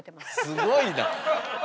すごいな！